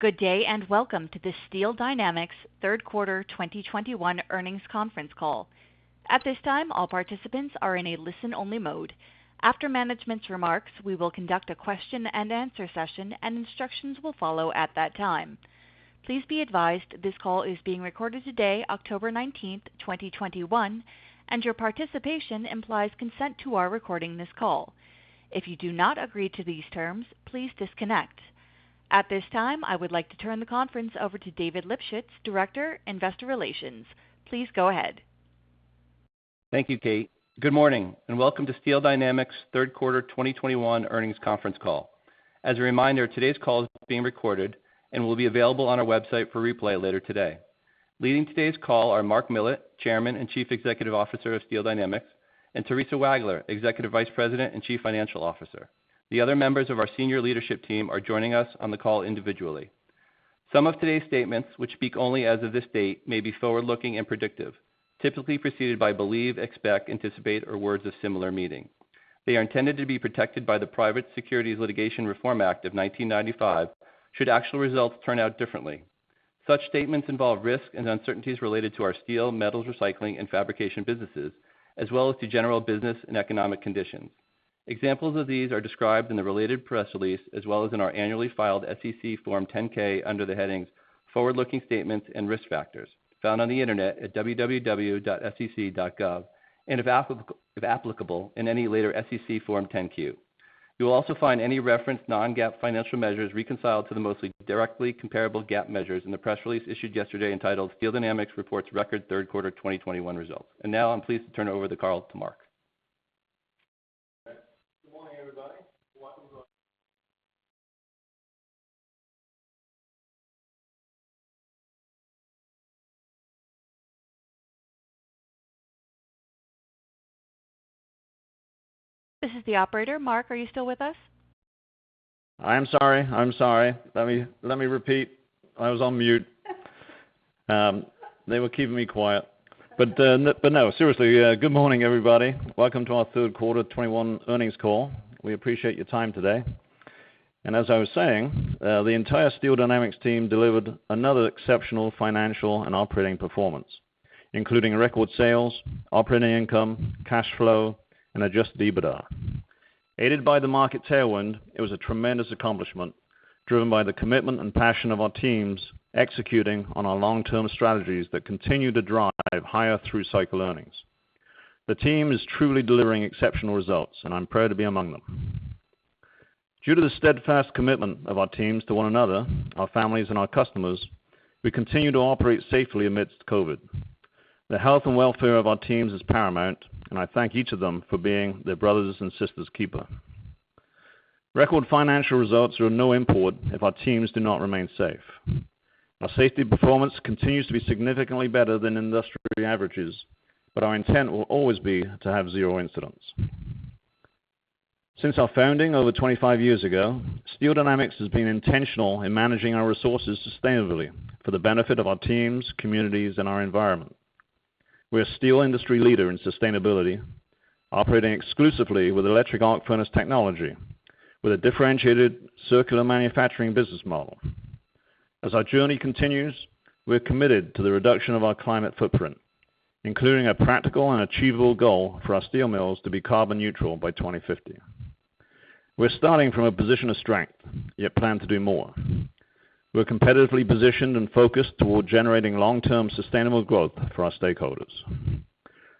Good day, and welcome to the Steel Dynamics Third Quarter 2021 Earnings Conference Call. At this time, all participants are in a listen-only mode. After management's remarks, we will conduct a question and answer session, and instructions will follow at that time. Please be advised this call is being recorded today, October 19, 2021, and your participation implies consent to our recording this call. If you do not agree to these terms, please disconnect. At this time, I would like to turn the conference over to David Lipschitz, Director, Investor Relations. Please go ahead. Thank you, Kate. Good morning, and welcome to Steel Dynamics' Third Quarter 2021 Earnings Conference Call. As a reminder, today's call is being recorded and will be available on our website for replay later today. Leading today's call are Mark Millett, Chairman and Chief Executive Officer of Steel Dynamics, and Theresa E. Wagler, Executive Vice President and Chief Financial Officer. The other members of our senior leadership team are joining us on the call individually. Some of today's statements, which speak only as of this date, may be forward-looking and predictive, typically preceded by believe, expect, anticipate, or words of similar meaning. They are intended to be protected by the Private Securities Litigation Reform Act of 1995, should actual results turn out differently. Such statements involve risks and uncertainties related to our steel, metals recycling, and fabrication businesses, as well as to general business and economic conditions. Examples of these are described in the related press release, as well as in our annually filed SEC form 10-K under the headings "Forward-Looking Statements" and "Risk Factors" found on the internet at www.sec.gov, and if applicable, in any later SEC form 10-Q. You will also find any referenced non-GAAP financial measures reconciled to the mostly directly comparable GAAP measures in the press release issued yesterday entitled "Steel Dynamics Reports Record Third Quarter 2021 Results." Now I'm pleased to turn over the call to Mark. This is the operator. Mark, are you still with us? I'm sorry. Let me repeat. I was on mute. They were keeping me quiet. No, seriously, good morning, everybody. Welcome to our third quarter 2021 earnings call. We appreciate your time today. As I was saying, the entire Steel Dynamics team delivered another exceptional financial and operating performance, including record sales, operating income, cash flow, and adjusted EBITDA. Aided by the market tailwind, it was a tremendous accomplishment driven by the commitment and passion of our teams executing on our long-term strategies that continue to drive higher through-cycle earnings. The team is truly delivering exceptional results, and I'm proud to be among them. Due to the steadfast commitment of our teams to one another, our families, and our customers, we continue to operate safely amidst COVID. The health and welfare of our teams is paramount, and I thank each of them for being their brother's and sister's keeper. Record financial results are of no import if our teams do not remain safe. Our safety performance continues to be significantly better than industry averages, our intent will always be to have zero incidents. Since our founding over 25 years ago, Steel Dynamics has been intentional in managing our resources sustainably for the benefit of our teams, communities, and our environment. We're a steel industry leader in sustainability, operating exclusively with electric arc furnace technology with a differentiated circular manufacturing business model. As our journey continues, we're committed to the reduction of our climate footprint, including a practical and achievable goal for our steel mills to be carbon neutral by 2050. We're starting from a position of strength, yet plan to do more. We're competitively positioned and focused toward generating long-term sustainable growth for our stakeholders.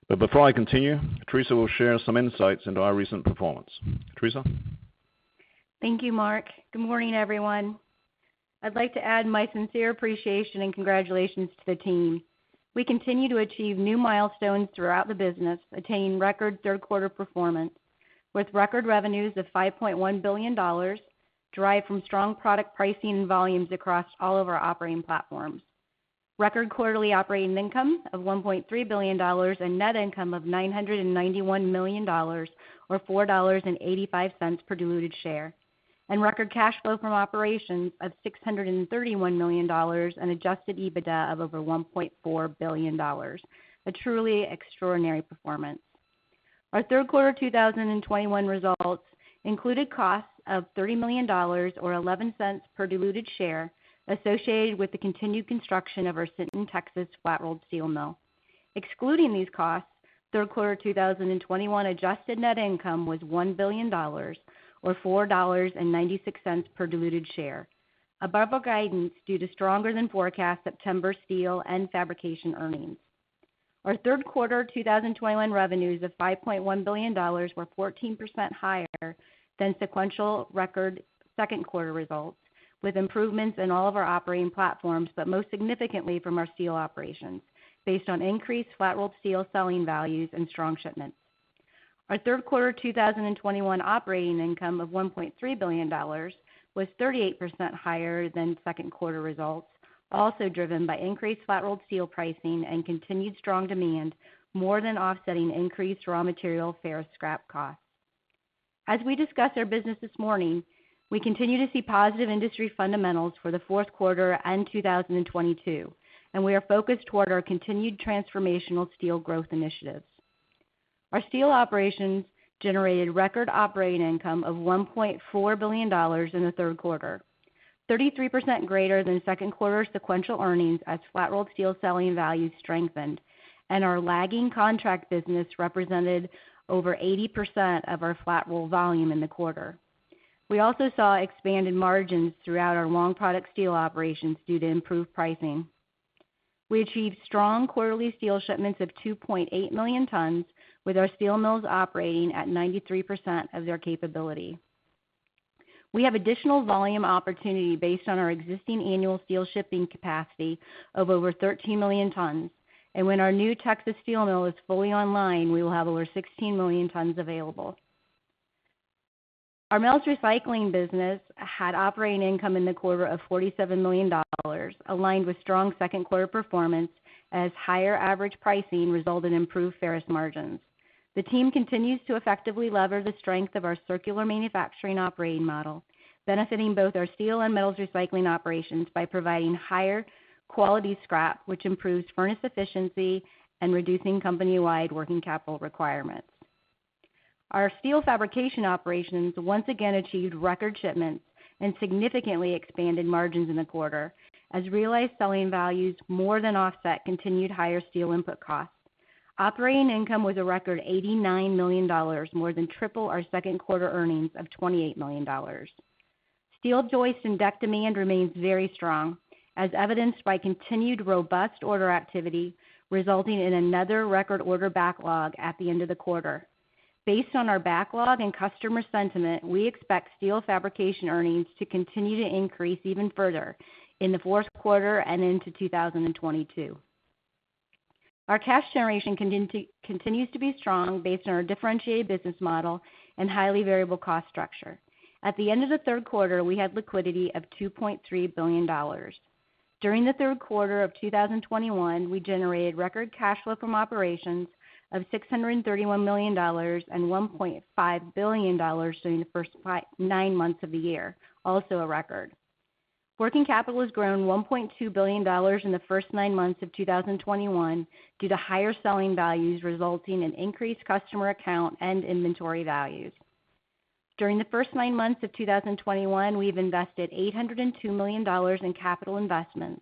Before I continue, Theresa will share some insights into our recent performance. Theresa? Thank you, Mark. Good morning, everyone. I'd like to add my sincere appreciation and congratulations to the team. We continue to achieve new milestones throughout the business, attain record third quarter performance with record revenues of $5.1 billion, derived from strong product pricing and volumes across all of our operating platforms. Record quarterly operating income of $1.3 billion and net income of $991 million, or $4.85 per diluted share. Record cash flow from operations of $631 million and adjusted EBITDA of over $1.4 billion. A truly extraordinary performance. Our third quarter 2021 results included costs of $30 million, or $0.11 per diluted share, associated with the continued construction of our Sinton, Texas, flat-rolled steel mill. Excluding these costs, third quarter 2021 adjusted net income was $1 billion, or $4.96 per diluted share, above our guidance due to stronger than forecast September steel and fabrication earnings. Our third quarter 2021 revenues of $5.1 billion were 14% higher than sequential record second quarter results, with improvements in all of our operating platforms, but most significantly from our steel operations, based on increased flat-rolled steel selling values and strong shipments. Our third quarter 2021 operating income of $1.3 billion was 38% higher than second quarter results, also driven by increased flat-rolled steel pricing and continued strong demand, more than offsetting increased raw material ferrous scrap costs. As we discuss our business this morning, we continue to see positive industry fundamentals for the fourth quarter and 2022, and we are focused toward our continued transformational steel growth initiatives. Our steel operations generated record operating income of $1.4 billion in the third quarter, 33% greater than second-quarter sequential earnings as flat-rolled steel selling values strengthened, and our lagging contract business represented over 80% of our flat-rolled volume in the quarter. We also saw expanded margins throughout our long product steel operations due to improved pricing. We achieved strong quarterly steel shipments of 2.8 million tons, with our steel mills operating at 93% of their capability. We have additional volume opportunity based on our existing annual steel shipping capacity of over 13 million tons. When our new Texas steel mill is fully online, we will have over 16 million tons available. Our metals recycling business had operating income in the quarter of $47 million, aligned with strong second-quarter performance as higher average pricing resulted in improved ferrous margins. The team continues to effectively lever the strength of our circular manufacturing operating model, benefiting both our steel and metals recycling operations by providing higher-quality scrap, which improves furnace efficiency and reducing company-wide working capital requirements. Our steel fabrication operations once again achieved record shipments and significantly expanded margins in the quarter as realized selling values more than offset continued higher steel input costs. Operating income was a record $89 million, more than triple our second-quarter earnings of $28 million. Steel joists and deck demand remains very strong, as evidenced by continued robust order activity, resulting in another record order backlog at the end of the quarter. Based on our backlog and customer sentiment, we expect steel fabrication earnings to continue to increase even further in the fourth quarter and into 2022. Our cash generation continues to be strong based on our differentiated business model and highly variable cost structure. At the end of the third quarter, we had liquidity of $2.3 billion. During the third quarter of 2021, we generated record cash flow from operations of $631 million and $1.5 billion during the first nine months of the year, also a record. Working capital has grown $1.2 billion in the first nine months of 2021 due to higher selling values resulting in increased customer account and inventory values. During the first nine months of 2021, we've invested $802 million in capital investments,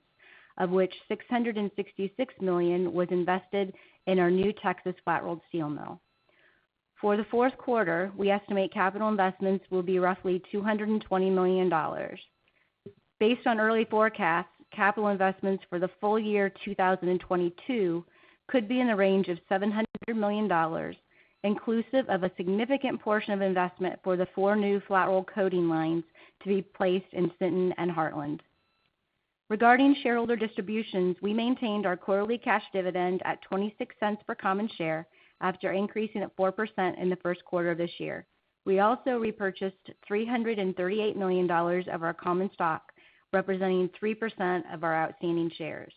of which $666 million was invested in our new Texas flat-rolled steel mill. For the fourth quarter, we estimate capital investments will be roughly $220 million. Based on early forecasts, capital investments for the full year 2022 could be in the range of $700 million, inclusive of a significant portion of investment for the four new flat-roll coating lines to be placed in Sinton and Heartland. Regarding shareholder distributions, we maintained our quarterly cash dividend at $0.26 per common share after increasing it 4% in the first quarter of this year. We also repurchased $338 million of our common stock, representing 3% of our outstanding shares.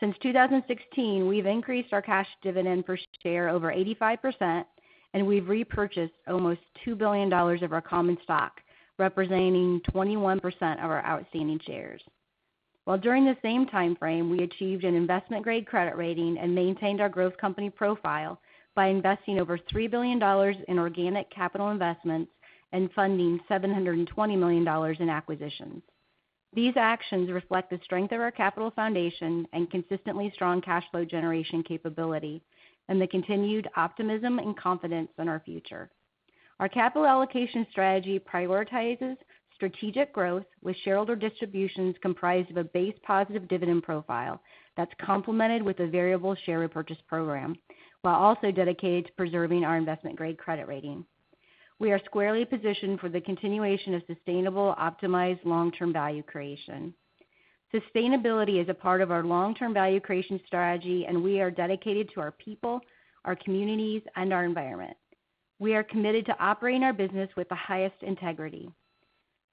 Since 2016, we've increased our cash dividend per share over 85%. We've repurchased almost $2 billion of our common stock, representing 21% of our outstanding shares. During the same timeframe, we achieved an investment-grade credit rating and maintained our growth company profile by investing over $3 billion in organic capital investments and funding $720 million in acquisitions. These actions reflect the strength of our capital foundation and consistently strong cash flow generation capability and the continued optimism and confidence in our future. Our capital allocation strategy prioritizes strategic growth with shareholder distributions comprised of a base positive dividend profile that's complemented with a variable share repurchase program, while also dedicated to preserving our investment-grade credit rating. We are squarely positioned for the continuation of sustainable, optimized long-term value creation. Sustainability is a part of our long-term value creation strategy, and we are dedicated to our people, our communities, and our environment. We are committed to operating our business with the highest integrity.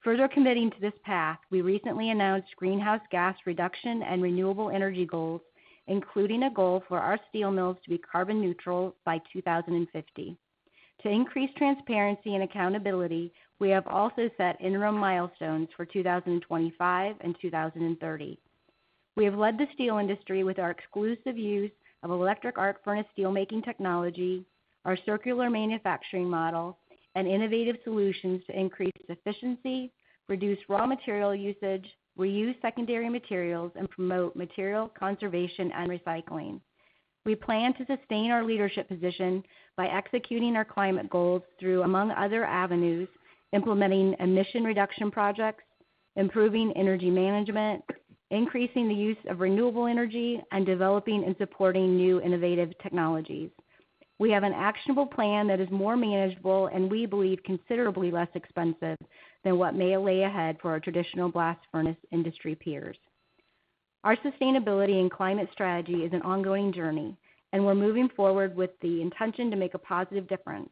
Further committing to this path, we recently announced greenhouse gas reduction and renewable energy goals, including a goal for our steel mills to be carbon neutral by 2050. To increase transparency and accountability, we have also set interim milestones for 2025 and 2030. We have led the steel industry with our exclusive use of electric arc furnace steelmaking technology, our circular manufacturing model, and innovative solutions to increase efficiency, reduce raw material usage, reuse secondary materials, and promote material conservation and recycling. We plan to sustain our leadership position by executing our climate goals through, among other avenues, implementing emission reduction projects, improving energy management, increasing the use of renewable energy, and developing and supporting new innovative technologies. We have an actionable plan that is more manageable, and we believe considerably less expensive than what may lay ahead for our traditional blast furnace industry peers. Our sustainability and climate strategy is an ongoing journey, and we're moving forward with the intention to make a positive difference.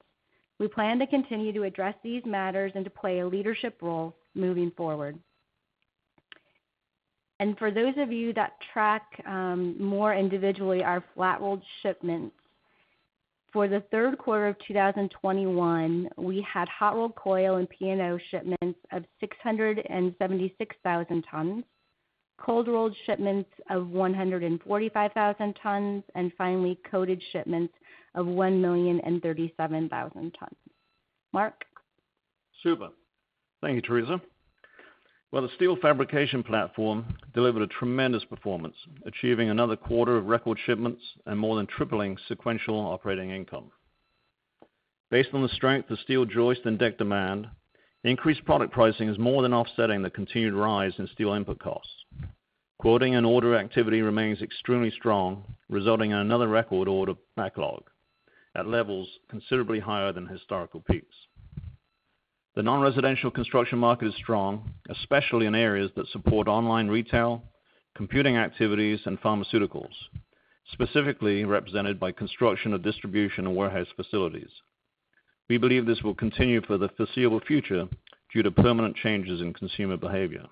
We plan to continue to address these matters and to play a leadership role moving forward. For those of you that track more individually our flat-rolled shipments. For the third quarter of 2021, we had hot-rolled coil and P&O shipments of 676,000 tons. Cold rolled shipments of 145,000 tons, and finally, coated shipments of 1,037,000 tons. Mark? Super. Thank you, Theresa. Well, the steel fabrication platform delivered a tremendous performance, achieving another quarter of record shipments and more than tripling sequential operating income. Based on the strength of steel joist and deck demand, increased product pricing is more than offsetting the continued rise in steel input costs. Quoting and order activity remains extremely strong, resulting in another record order backlog at levels considerably higher than historical peaks. The non-residential construction market is strong, especially in areas that support online retail, computing activities, and pharmaceuticals, specifically represented by construction of distribution and warehouse facilities. We believe this will continue for the foreseeable future due to permanent changes in consumer behavior.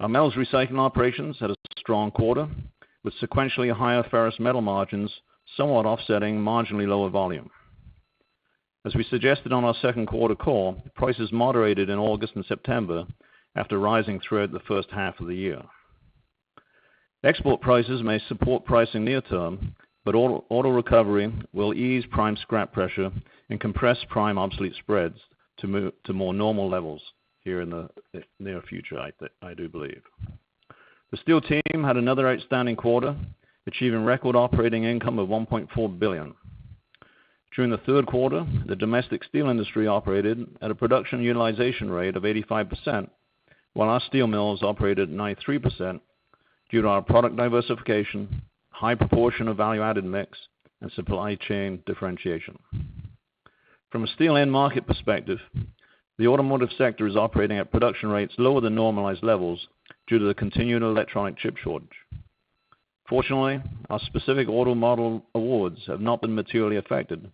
Our metals recycling operations had a strong quarter, with sequentially higher ferrous metal margins somewhat offsetting marginally lower volume. As we suggested on our second quarter call, prices moderated in August and September after rising throughout the first half of the year. Export prices may support pricing near term, but auto recovery will ease prime scrap pressure and compress prime obsolete spreads to more normal levels here in the near future, I do believe. The steel team had another outstanding quarter, achieving record operating income of $1.4 billion. During the third quarter, the domestic steel industry operated at a production utilization rate of 85%, while our steel mills operated at 93% due to our product diversification, high proportion of value-added mix, and supply chain differentiation. From a steel end market perspective, the automotive sector is operating at production rates lower than normalized levels due to the continuing electronic chip shortage. Fortunately, our specific auto model awards have not been materially affected,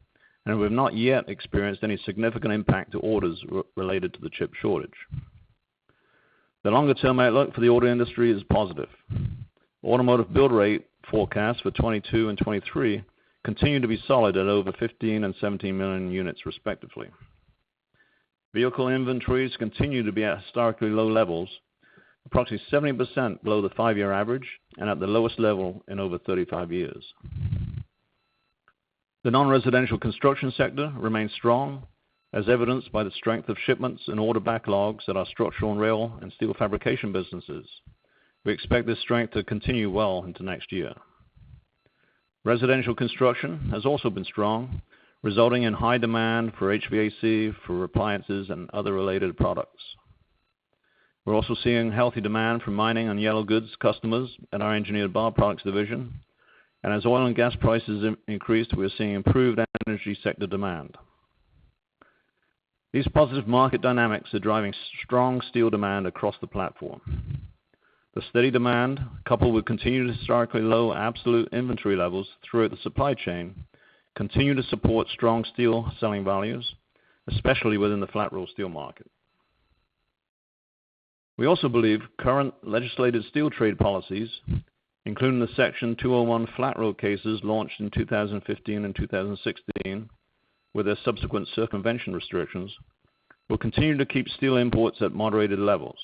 and we've not yet experienced any significant impact to orders related to the chip shortage. The longer-term outlook for the auto industry is positive. Automotive build rate forecasts for 2022 and 2023 continue to be solid at over 15 million and 17 million units, respectively. Vehicle inventories continue to be at historically low levels, approximately 70% below the five-year average and at the lowest level in over 35 years. The non-residential construction sector remains strong, as evidenced by the strength of shipments and order backlogs at our structural and rail and steel fabrication businesses. We expect this strength to continue well into next year. Residential construction has also been strong, resulting in high demand for HVAC, for appliances, and other related products. We're also seeing healthy demand from mining and yellow goods customers in our engineered bar products division. As oil and gas prices increased, we're seeing improved energy sector demand. These positive market dynamics are driving strong steel demand across the platform. The steady demand, coupled with continued historically low absolute inventory levels throughout the supply chain, continue to support strong steel selling values, especially within the flat-rolled steel market. We also believe current legislated steel trade policies, including the Section 201 flat-rolled cases launched in 2015 and 2016, with their subsequent circumvention restrictions, will continue to keep steel imports at moderated levels.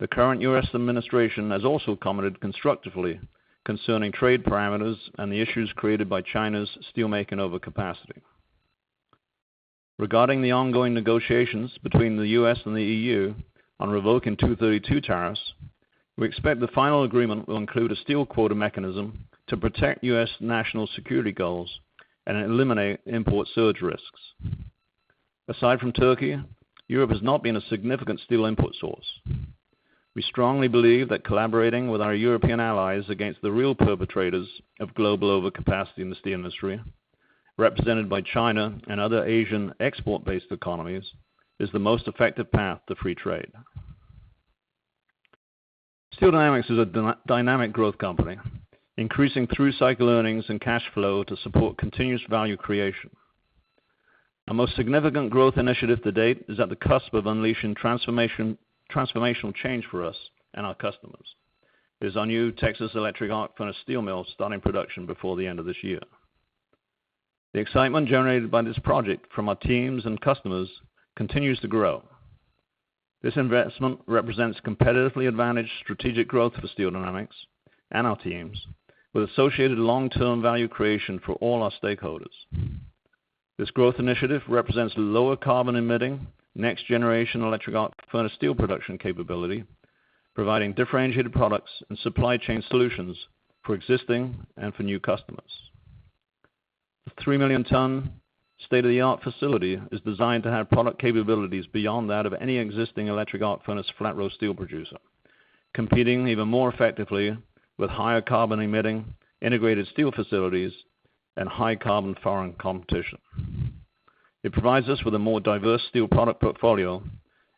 The current U.S. administration has also commented constructively concerning trade parameters and the issues created by China's steel making overcapacity. Regarding the ongoing negotiations between the U.S. and the EU on revoking 232 tariffs, we expect the final agreement will include a steel quota mechanism to protect U.S. national security goals and eliminate import surge risks. Aside from Turkey, Europe has not been a significant steel import source. We strongly believe that collaborating with our European allies against the real perpetrators of global overcapacity in the steel industry, represented by China and other Asian export-based economies, is the most effective path to free trade. Steel Dynamics is a dynamic growth company, increasing through-cycle earnings and cash flow to support continuous value creation. Our most significant growth initiative to date is at the cusp of unleashing transformational change for us and our customers. It is our new Texas electric arc furnace steel mill starting production before the end of this year. The excitement generated by this project from our teams and customers continues to grow. This investment represents competitively advantaged strategic growth for Steel Dynamics and our teams with associated long-term value creation for all our stakeholders. This growth initiative represents lower carbon emitting, next generation electric arc furnace steel production capability, providing differentiated products and supply chain solutions for existing and for new customers. The 3-million-ton state-of-the-art facility is designed to have product capabilities beyond that of any existing electric arc furnace flat-rolled steel producer, competing even more effectively with higher carbon emitting integrated steel facilities and high carbon foreign competition. It provides us with a more diverse steel product portfolio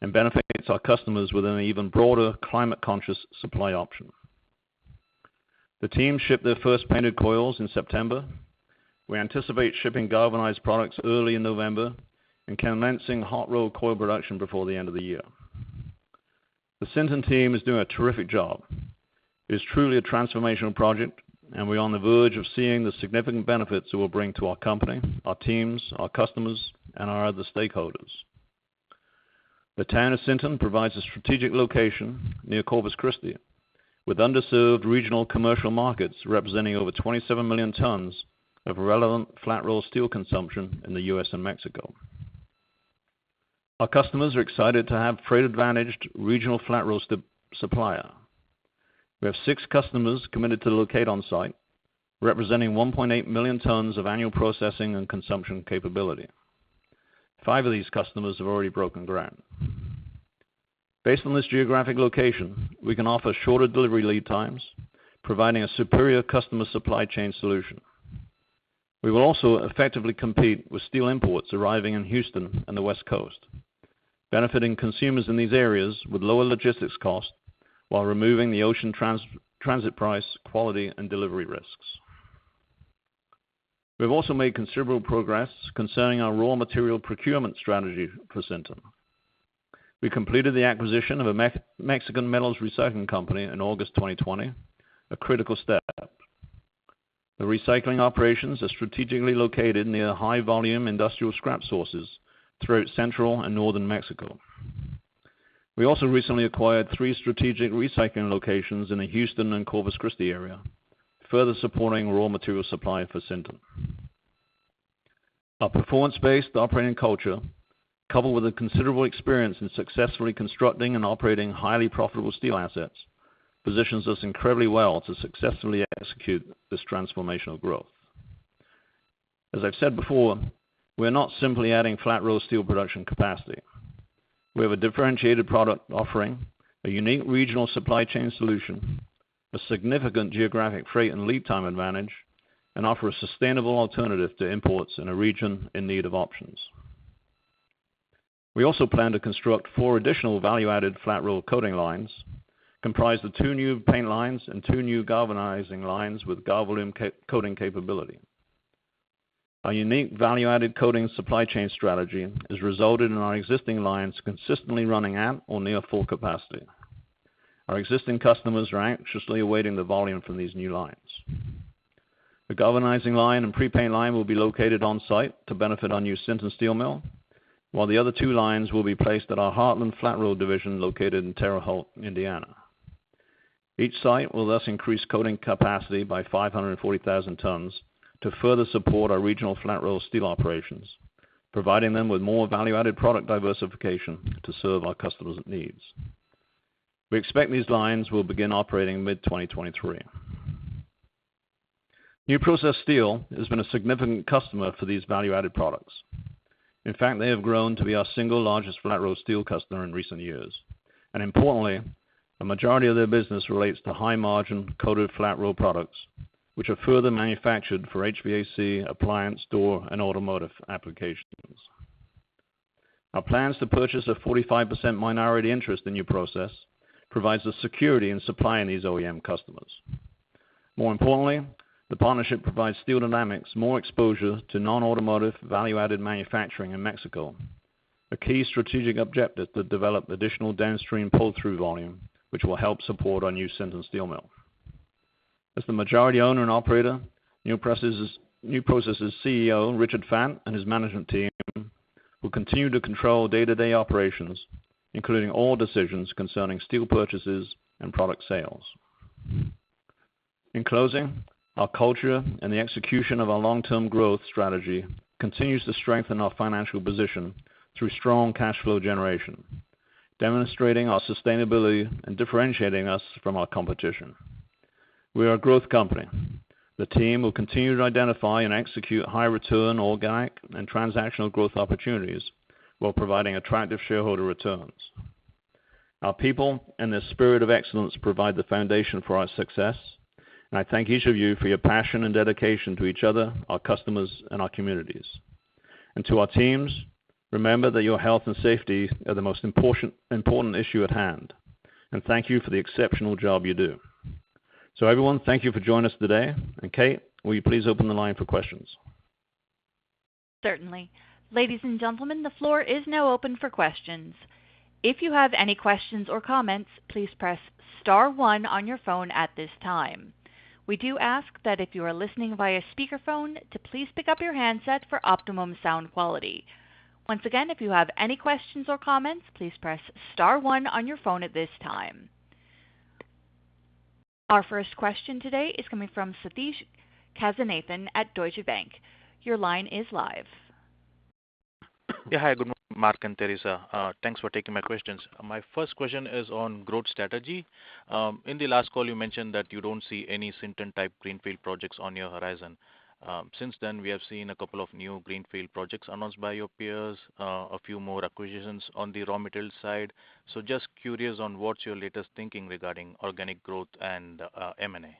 and benefits our customers with an even broader climate-conscious supply option. The team shipped their 1st painted coils in September. We anticipate shipping galvanized products early in November and commencing hot-rolled coil production before the end of the year. The Sinton team is doing a terrific job. It's truly a transformational project, and we are on the verge of seeing the significant benefits it will bring to our company, our teams, our customers, and our other stakeholders. The town of Sinton provides a strategic location near Corpus Christi, with underserved regional commercial markets representing over 27 million tons of relevant flat-rolled steel consumption in the U.S. and Mexico. Our customers are excited to have freight-advantaged regional flat-rolled supplier. We have six customers committed to locate on-site, representing 1.8 million tons of annual processing and consumption capability. Five of these customers have already broken ground. Based on this geographic location, we can offer shorter delivery lead times, providing a superior customer supply chain solution. We will also effectively compete with steel imports arriving in Houston and the West Coast, benefiting consumers in these areas with lower logistics costs while removing the ocean transit price, quality, and delivery risks. We've also made considerable progress concerning our raw material procurement strategy for Sinton. We completed the acquisition of a Mexican metals recycling company in August 2020, a critical step. The recycling operations are strategically located near high-volume industrial scrap sources throughout central and northern Mexico. We also recently acquired three strategic recycling locations in the Houston and Corpus Christi area, further supporting raw material supply for Sinton. Our performance-based operating culture, coupled with considerable experience in successfully constructing and operating highly profitable steel assets, positions us incredibly well to successfully execute this transformational growth. As I've said before, we are not simply adding flat-rolled steel production capacity. We have a differentiated product offering, a unique regional supply chain solution, a significant geographic freight and lead time advantage, and offer a sustainable alternative to imports in a region in need of options. We also plan to construct four additional value-added flat-roll coating lines comprised of two new paint lines and two new galvanizing lines with Galvalume coating capability. Our unique value-added coatings supply chain strategy has resulted in our existing lines consistently running at or near full capacity. Our existing customers are anxiously awaiting the volume from these new lines. The galvanizing line and pre-paint line will be located on-site to benefit our new Sinton steel mill, while the other two lines will be placed at our Heartland Flat Roll Division located in Terre Haute, Indiana. Each site will thus increase coating capacity by 540,000 tons to further support our regional flat-rolled steel operations, providing them with more value-added product diversification to serve our customers' needs. We expect these lines will begin operating in mid-2023. New Process Steel has been a significant customer for these value-added products. In fact, they have grown to be our single largest flat-rolled steel customer in recent years. Importantly, a majority of their business relates to high-margin coated flat-rolled products, which are further manufactured for HVAC, appliance door, and automotive applications. Our plans to purchase a 45% minority interest in New Process provides the security in supplying these OEM customers. More importantly, the partnership provides Steel Dynamics more exposure to non-automotive value-added manufacturing in Mexico, a key strategic objective to develop additional downstream pull-through volume, which will help support our new Sinton steel mill. As the majority owner and operator, New Process' CEO, Richard Fant, and his management team will continue to control day-to-day operations, including all decisions concerning steel purchases and product sales. In closing, our culture and the execution of our long-term growth strategy continues to strengthen our financial position through strong cash flow generation, demonstrating our sustainability and differentiating us from our competition. We are a growth company. The team will continue to identify and execute high-return organic and transactional growth opportunities while providing attractive shareholder returns. Our people and their spirit of excellence provide the foundation for our success, and I thank each of you for your passion and dedication to each other, our customers, and our communities. To our teams, remember that your health and safety are the most important issue at hand, and thank you for the exceptional job you do. Everyone, thank you for joining us today. Kate, will you please open the line for questions? Certainly. Ladies and gentlemen, the floor is now open for questions. If you have any questions or comments, please press *1 on your phone at this time. We do ask that if you are listening via speakerphone, to please pick up your handset for optimum sound quality. Once again, if you have any questions or comments, please press *1 on your phone at this time. Our first question today is coming from Sathish Kasinathan at Deutsche Bank. Your line is live. Yeah. Hi, good morning, Mark and Theresa. Thanks for taking my questions. My first question is on growth strategy. In the last call, you mentioned that you don't see any Sinton-type greenfield projects on your horizon. Since then, we have seen a couple of new greenfield projects announced by your peers, a few more acquisitions on the raw material side. Just curious on what's your latest thinking regarding organic growth and M&A?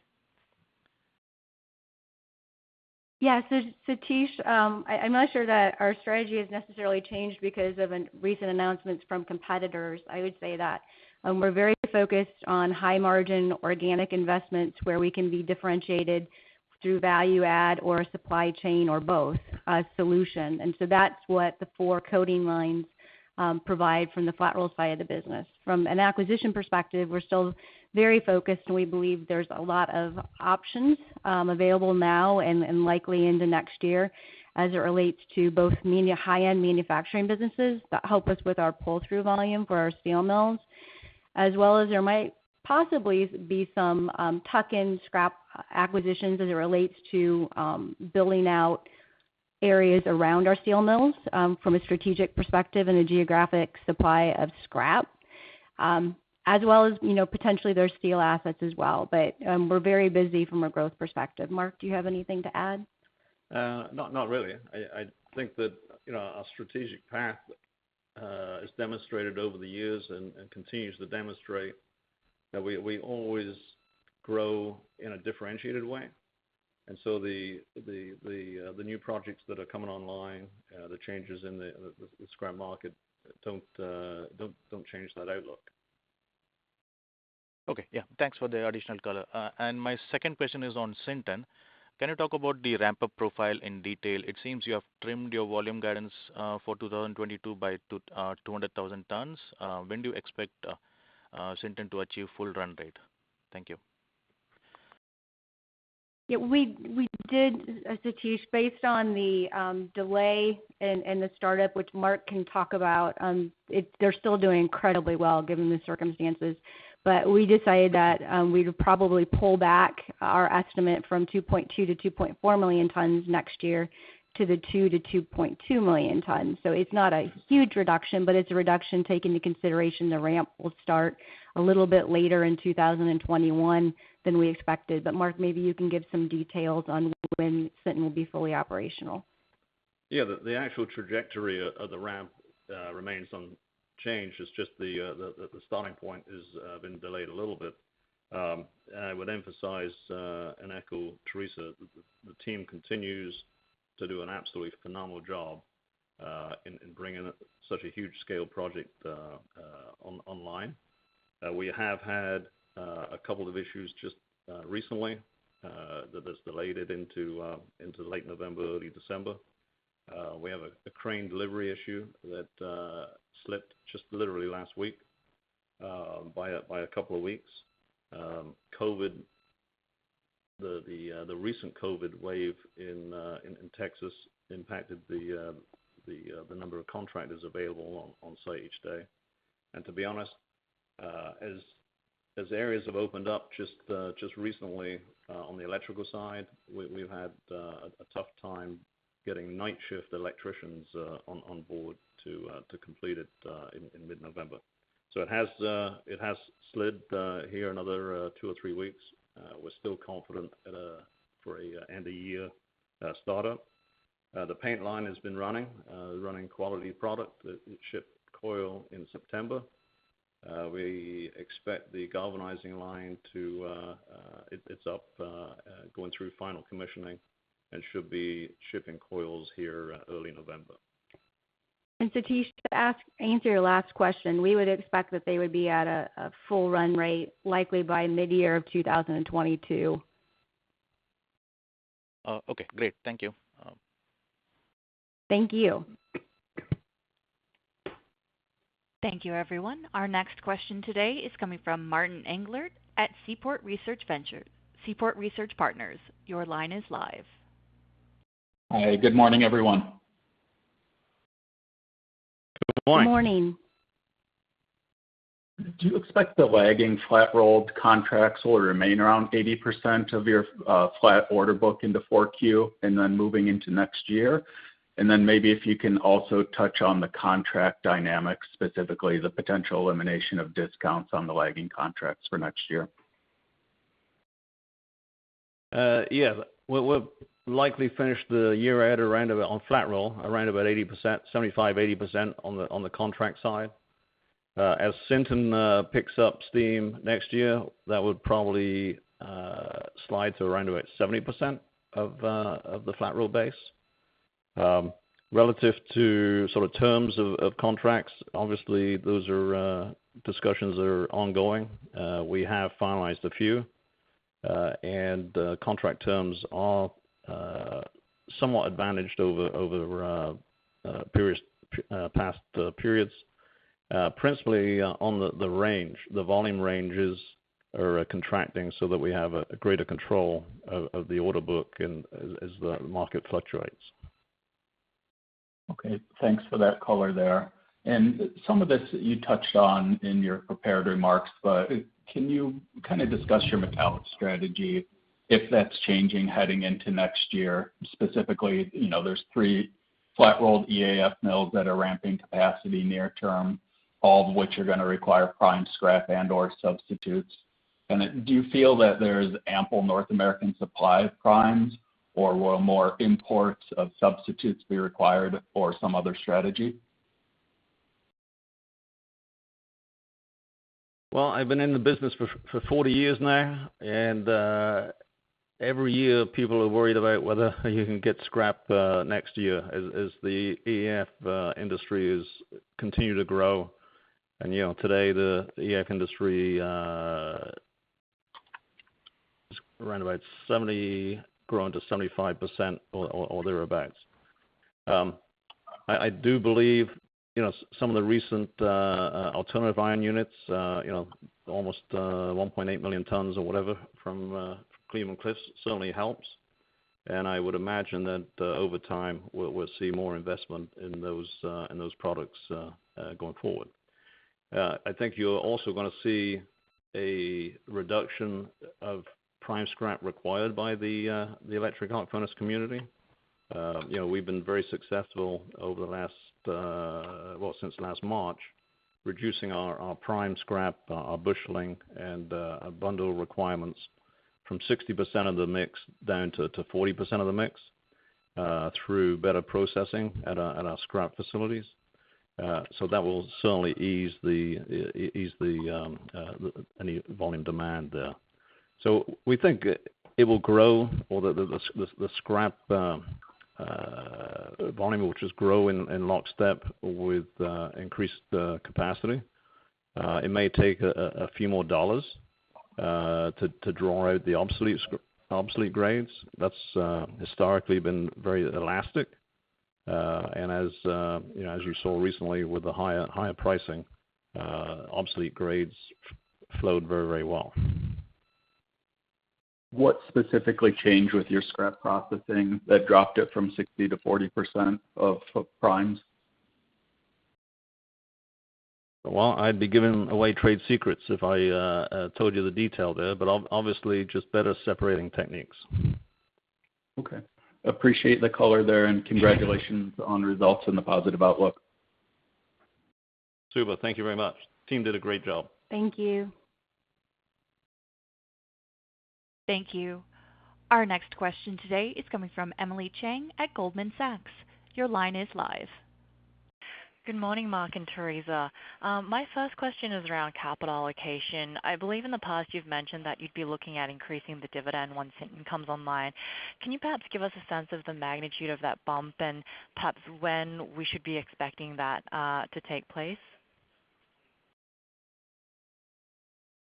Yeah. Sathish, I'm not sure that our strategy has necessarily changed because of recent announcements from competitors. I would say that we're very focused on high-margin organic investments where we can be differentiated through value add or supply chain or both as solution. That's what the four coating lines provide from the flat-roll side of the business. From an acquisition perspective, we're still very focused, and we believe there's a lot of options available now and likely into next year as it relates to both high-end manufacturing businesses that help us with our pull-through volume for our steel mills. As well as there might possibly be some tuck-in scrap acquisitions as it relates to building out areas around our steel mills, from a strategic perspective and a geographic supply of scrap. Potentially their steel assets as well. We're very busy from a growth perspective. Mark, do you have anything to add? Not really. I think that our strategic path has demonstrated over the years, and continues to demonstrate, that we always grow in a differentiated way. The new projects that are coming online, the changes in the scrap market, don't change that outlook. Okay. Yeah. Thanks for the additional color. My second question is on Sinton. Can you talk about the ramp-up profile in detail? It seems you have trimmed your volume guidance for 2022 by 200,000 tons. When do you expect Sinton to achieve full run rate? Thank you. We did, Sathish, based on the delay in the startup, which Mark can talk about. They're still doing incredibly well given the circumstances. We decided that we'd probably pull back our estimate from 2.2 million-2.4 million tons next year, to the 2 million-2.2 million tons. It's not a huge reduction, but it's a reduction, take into consideration the ramp will start a little bit later in 2021 than we expected. Mark, maybe you can give some details on when Sinton will be fully operational. Yeah, the actual trajectory of the ramp remains unchanged. It's just the starting point has been delayed a little bit. I would emphasize, and echo Theresa, the team continues to do an absolutely phenomenal job in bringing such a huge scale project online. We have had a couple of issues just recently, that it's delayed it into late November, early December. We have a crane delivery issue that slipped just literally last week, by a couple of weeks. The recent COVID wave in Texas impacted the number of contractors available on site each day. To be honest, as areas have opened up just recently on the electrical side, we've had a tough time getting night shift electricians on board to complete it in mid-November. It has slid here another two or three weeks. We're still confident for an end-of-year startup. The paint line has been running. Running quality product. It shipped coil in September. We expect the galvanizing line. It's up going through final commissioning and should be shipping coils here early November. Sathish, to answer your last question, we would expect that they would be at a full run rate likely by mid-year of 2022. Okay, great. Thank you. Thank you. Thank you, everyone. Our next question today is coming from Martin Englert at Seaport Research Partners. Your line is live. Hi. Good morning, everyone. Morning. Morning. Do you expect the lagging flat-rolled contracts will remain around 80% of your flat order book into 4Q, and then moving into next year? Maybe if you can also touch on the contract dynamics, specifically the potential elimination of discounts on the lagging contracts for next year? Yeah. We'll likely finish the year at around, on flat roll, around about 80%, 75%, 80% on the contract side. As Sinton picks up steam next year, that would probably slide to around about 70% of the flat roll base. Relative to terms of contracts, obviously, those are discussions that are ongoing. We have finalized a few. The contract terms are somewhat advantaged over past periods. Principally on the range, the volume ranges are contracting so that we have a greater control of the order book as the market fluctuates. Okay, thanks for that color there. Some of this you touched on in your prepared remarks, but can you discuss your metallic strategy, if that's changing heading into next year? Specifically, there's three flat-rolled EAF mills that are ramping capacity near term, all of which are going to require prime scrap and/or substitutes. Do you feel that there's ample North American supply of primes, or will more imports of substitutes be required or some other strategy? Well, I've been in the business for 40 years now, and every year people are worried about whether you can get scrap next year as the EAF industry has continued to grow. Today, the EAF industry is around about grown to 75% or thereabouts. I do believe, some of the recent alternative iron units, almost 1.8 million tons or whatever from Cleveland-Cliffs certainly helps. I would imagine that over time, we'll see more investment in those products going forward. I think you're also going to see a reduction of prime scrap required by the electric arc furnace community. We've been very successful over the last, well, since last March, reducing our prime scrap, our busheling, and our bundle requirements from 60% of the mix down to 40% of the mix through better processing at our scrap facilities. That will certainly ease any volume demand there. We think it will grow, or the scrap volume will just grow in lockstep with increased capacity. It may take a few more dollars to draw out the obsolete grades. That's historically been very elastic. As you saw recently with the higher pricing, obsolete grades flowed very well. What specifically changed with your scrap processing that dropped it from 60% to 40% of primes? Well, I'd be giving away trade secrets if I told you the detail there, but obviously, just better separating techniques. Okay. Appreciate the color there and congratulations on the results and the positive outlook. Super, thank you very much. Team did a great job. Thank you. Thank you. Our next question today is coming from Emily Chieng at Goldman Sachs. Your line is live. Good morning, Mark and Theresa. My first question is around capital allocation. I believe in the past you've mentioned that you'd be looking at increasing the dividend once Sinton comes online. Can you perhaps give us a sense of the magnitude of that bump and perhaps when we should be expecting that to take place?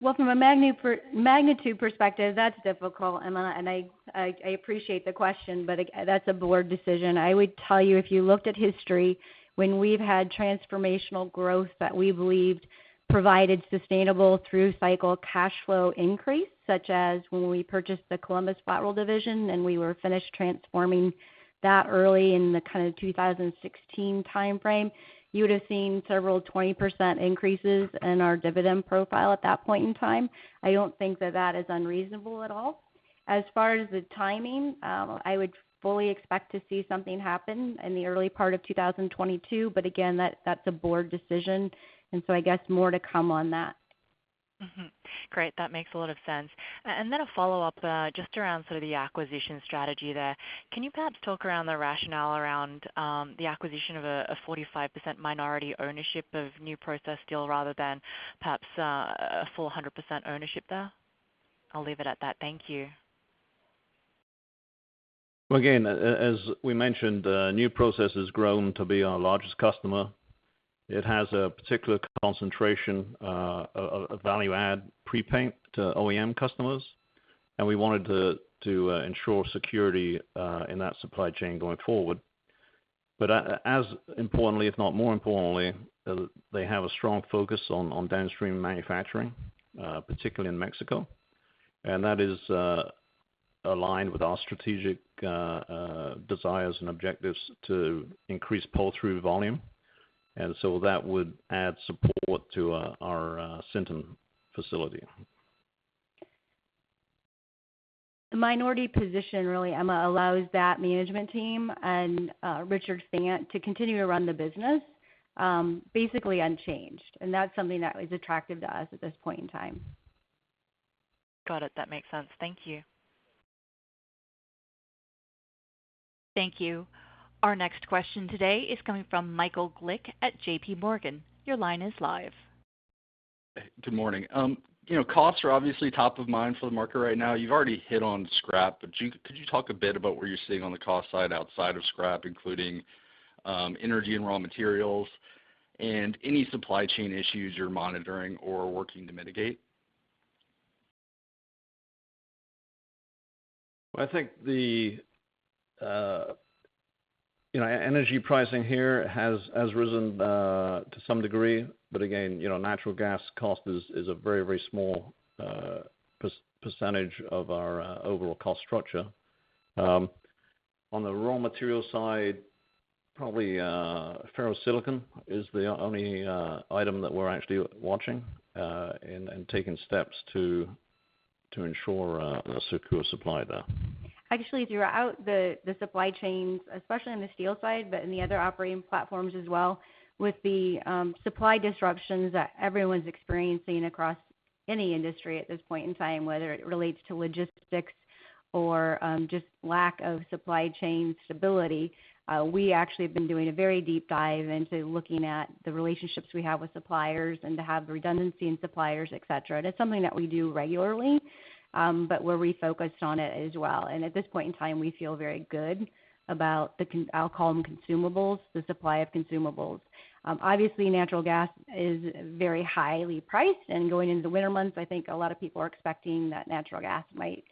Well, from a magnitude perspective, that's difficult, Emily, and I appreciate the question, but that's a board decision. I would tell you, if you looked at history, when we've had transformational growth that we believed provided sustainable through-cycle cash flow increase, such as when we purchased the Columbus Flat Roll Division and we were finished transforming that early in the kind of 2016 timeframe, you would have seen several 20% increases in our dividend profile at that point in time. I don't think that that is unreasonable at all. As far as the timing, I would fully expect to see something happen in the early part of 2022, but again, that's a board decision, and so I guess more to come on that. Great. That makes a lot of sense. Then a follow-up just around sort of the acquisition strategy there. Can you perhaps talk around the rationale around the acquisition of a 45% minority ownership of New Process Steel rather than perhaps a full 100% ownership there? I'll leave it at that. Thank you. As we mentioned, New Process has grown to be our largest customer. It has a particular concentration of value-add pre-paint to OEM customers, and we wanted to ensure security in that supply chain going forward. As importantly, if not more importantly, they have a strong focus on downstream manufacturing, particularly in Mexico. That is aligned with our strategic desires and objectives to increase pull-through volume. That would add support to our Sinton facility. The minority position really, Emily Chieng, allows that management team and Richard Fant to continue to run the business basically unchanged. That's something that was attractive to us at this point in time. Got it. That makes sense. Thank you. Thank you. Our next question today is coming from Michael Glick at JPMorgan. Your line is live. Good morning. Costs are obviously top of mind for the market right now. Could you talk a bit about where you're sitting on the cost side outside of scrap, including energy and raw materials, and any supply chain issues you're monitoring or working to mitigate? I think the energy pricing here has risen to some degree. Again, natural gas cost is a very small percentage of our overall cost structure. On the raw material side, probably ferrosilicon is the only 1 item that we're actually watching and taking steps to ensure a secure supply there. Actually, throughout the supply chains, especially on the steel side, but in the other operating platforms as well, with the supply disruptions that everyone's experiencing across any industry at this point in time, whether it relates to logistics or just lack of supply chain stability, we actually have been doing a very deep dive into looking at the relationships we have with suppliers and to have redundancy in suppliers, et cetera. That's something that we do regularly, but we're refocused on it as well. At this point in time, we feel very good about the, I'll call them consumables, the supply of consumables. Obviously, natural gas is very highly priced, and going into the winter months, I think a lot of people are expecting that natural gas might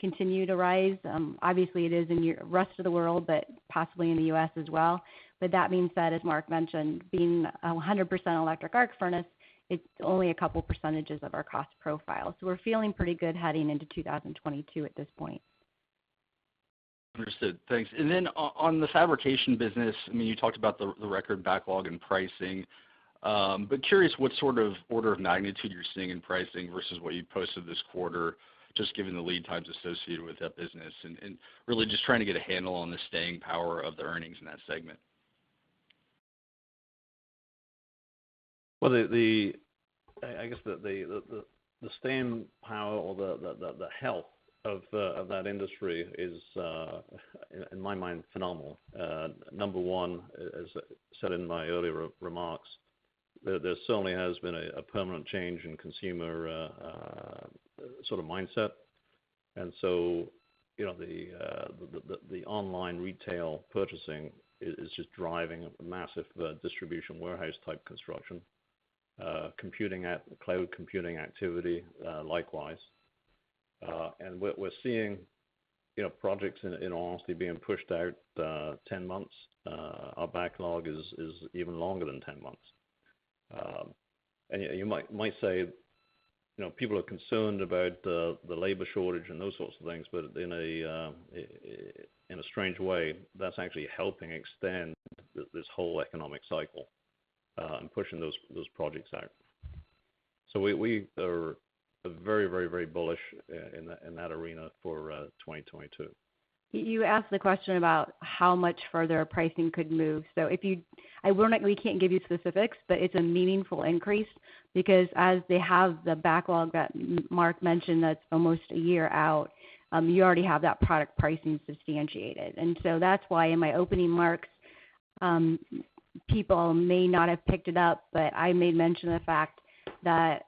continue to rise. Obviously, it is in the rest of the world, but possibly in the U.S. as well. That being said, as Mark mentioned, being a 100% electric arc furnace, it's only a couple % of our cost profile. We're feeling pretty good heading into 2022 at this point. Understood. Thanks. On the fabrication business, you talked about the record backlog and pricing. Curious what sort of order of magnitude you're seeing in pricing versus what you posted this quarter, just given the lead times associated with that business, and really just trying to get a handle on the staying power of the earnings in that segment. Well, I guess the staying power or the health of that industry is, in my mind, phenomenal. Number one, as I said in my earlier remarks, there certainly has been a permanent change in consumer mindset. The online retail purchasing is just driving massive distribution warehouse-type construction. Cloud computing activity, likewise. We're seeing projects in honesty being pushed out 10 months. Our backlog is even longer than 10 months. You might say, people are concerned about the labor shortage and those sorts of things, but in a strange way, that's actually helping extend this whole economic cycle and pushing those projects out. We are very bullish in that arena for 2022. You asked the question about how much further pricing could move. We can't give you specifics, but it's a meaningful increase, because as they have the backlog that Mark mentioned, that's almost a year out, you already have that product pricing substantiated. That's why in my opening marks, people may not have picked it up, but I made mention of the fact that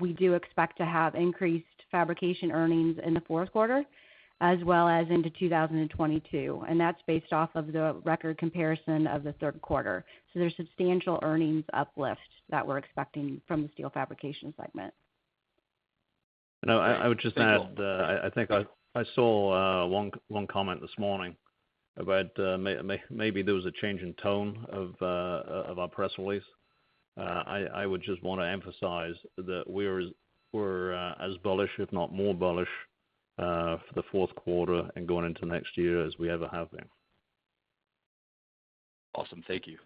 we do expect to have increased fabrication earnings in the fourth quarter as well as into 2022, and that's based off of the record comparison of the third quarter. There's substantial earnings uplift that we're expecting from the steel fabrication segment. I would just add, I think I saw one comment this morning about maybe there was a change in tone of our press release. I would just want to emphasize that we're as bullish, if not more bullish, for the fourth quarter and going into next year as we ever have been. Awesome. Thank you.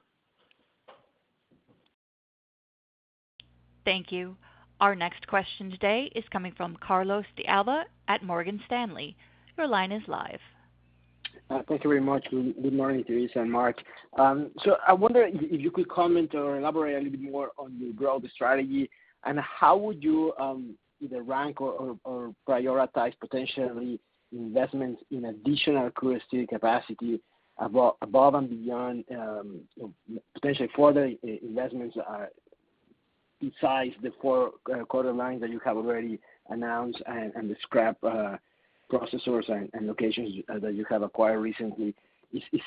Thank you. Our next question today is coming from Carlos de Alba at Morgan Stanley. Your line is live. Thank you very much. Good morning, Theresa and Mark. I wonder if you could comment or elaborate a little bit more on your growth strategy and how would you either rank or prioritize potentially investments in additional crude steel capacity above and beyond, potentially further investments are besides the four-quarter lines that you have already announced and the scrap processors and locations that you have acquired recently. Is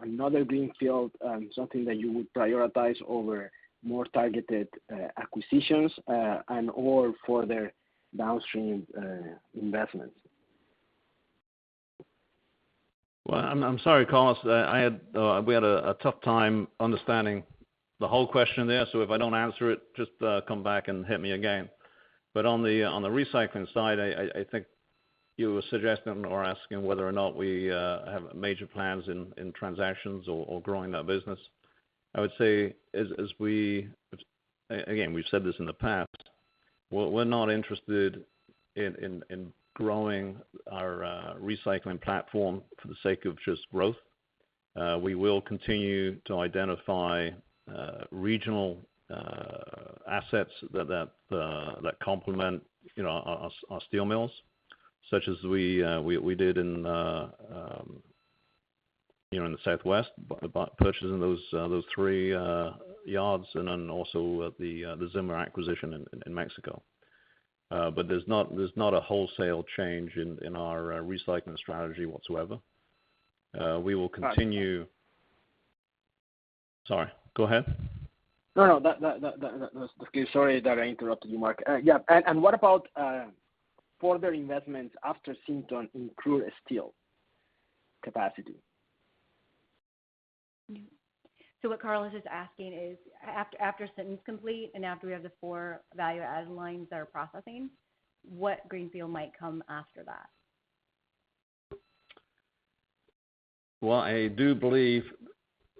another greenfield something that you would prioritize over more targeted acquisitions and/or further downstream investments? Well, I'm sorry, Carlos. We had a tough time understanding the whole question there. If I don't answer it, just come back and hit me again. On the recycling side, I think you were suggesting or asking whether or not we have major plans in transactions or growing that business. I would say, again, we've said this in the past, we're not interested in growing our recycling platform for the sake of just growth. We will continue to identify regional assets that complement our steel mills, such as we did in the Southwest by purchasing those three yards, and then also the Zimmer, S.A. de C.V. acquisition in Mexico. There's not a wholesale change in our recycling strategy whatsoever. We will continue-- Sorry, go ahead. No, that's okay. Sorry that I interrupted you, Mark. Yeah. What about further investments after Sinton in crude steel capacity? What Carlos is asking is, after Sinton's complete and after we have the four value-add lines that are processing, what greenfield might come after that? Well, I do believe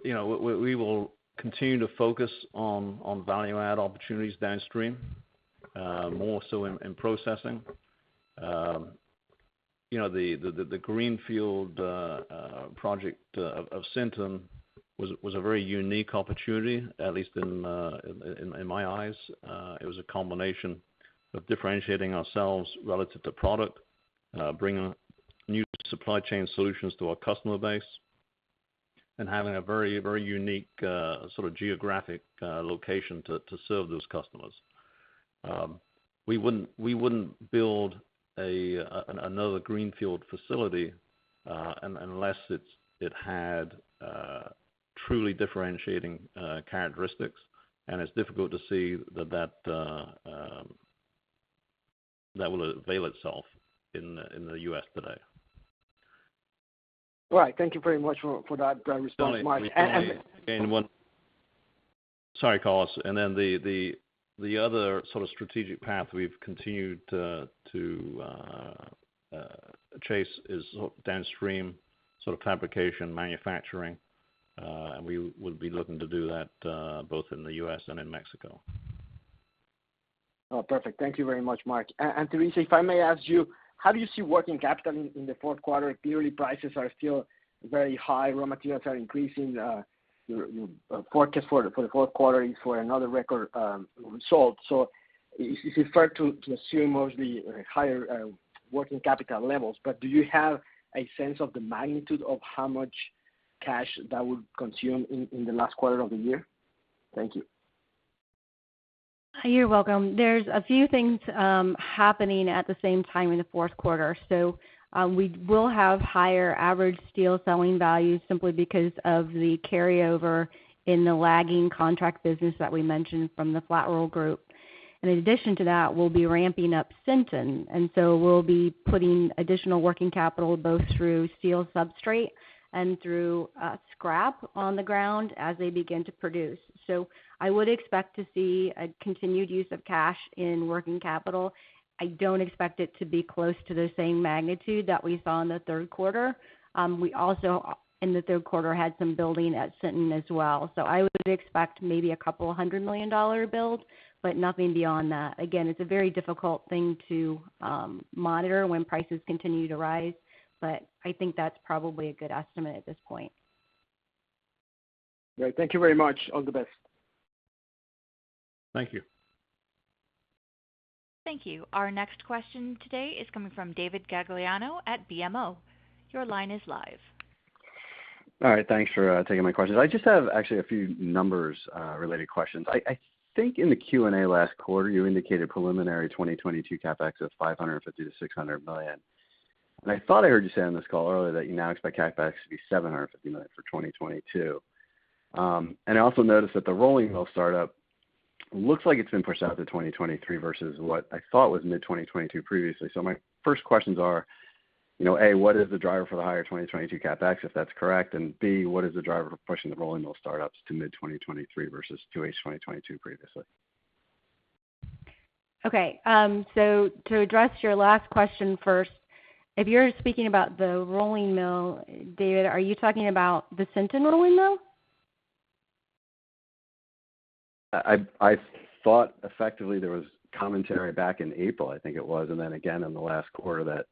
we will continue to focus on value-add opportunities downstream, more so in processing. The greenfield project of Sinton was a very unique opportunity, at least in my eyes. It was a combination of differentiating ourselves relative to product, bringing new supply chain solutions to our customer base, and having a very unique geographic location to serve those customers. We wouldn't build another greenfield facility unless it had truly differentiating characteristics, and it's difficult to see that that will avail itself in the U.S. today. Right. Thank you very much for that response, Mark. Sorry, Carlos. The other strategic path we've continued to chase is downstream, sort of fabrication, manufacturing. We will be looking to do that both in the U.S. and in Mexico. Oh, perfect. Thank you very much, Mark. Theresa, if I may ask you, how do you see working capital in the fourth quarter? Clearly, prices are still very high. Raw materials are increasing. Your forecast for the fourth quarter is for another record result. It's fair to assume mostly higher working capital levels, but do you have a sense of the magnitude of how much cash that would consume in the last quarter of the year? Thank you. You're welcome. There's a few things happening at the same time in the fourth quarter. We will have higher average steel selling values simply because of the carryover in the lagging contract business that we mentioned from the flat roll group. In addition to that, we'll be ramping up Sinton. We'll be putting additional working capital both through steel substrate and through scrap on the ground as they begin to produce. I would expect to see a continued use of cash in working capital. I don't expect it to be close to the same magnitude that we saw in the third quarter. We also, in the third quarter, had some building at Sinton as well. I would expect maybe a $200 million build, but nothing beyond that. Again, it's a very difficult thing to monitor when prices continue to rise, but I think that's probably a good estimate at this point. Great. Thank you very much. All the best. Thank you. Thank you. Our next question today is coming from David Gagliano at BMO. Your line is live. All right. Thanks for taking my questions. I just have actually a few numbers-related questions. I think in the Q&A last quarter, you indicated preliminary 2022 CapEx of $550 million to $600 million. I thought I heard you say on this call earlier that you now expect CapEx to be $750 million for 2022. I also noticed that the rolling mill startup looks like it's been pushed out to 2023 versus what I thought was mid-2022 previously. My first questions are, A, what is the driver for the higher 2022 CapEx, if that's correct, and B, what is the driver for pushing the rolling mill startups to mid-2023 versus to H-2022 previously? Okay. To address your last question first, if you're speaking about the rolling mill, David, are you talking about the Sinton rolling mill? I thought effectively there was commentary back in April, I think it was, and then again in the last quarter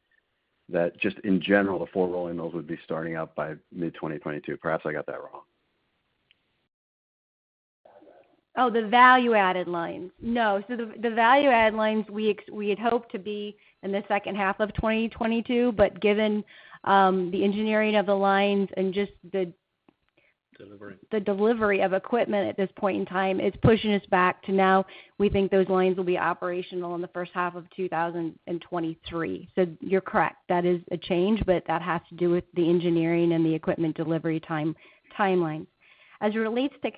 that just in general, the for rolling mills would be starting up by mid-2022. Perhaps I got that wrong. Oh, the value-added lines. No. The value-add lines we had hoped to be in the second half of 2022, but given the engineering of the lines. Delivery -the delivery of equipment at this point in time, it's pushing us back to now we think those lines will be operational in the first half of 2023. You're correct. That is a change, but that has to do with the engineering and the equipment delivery timeline. As it relates to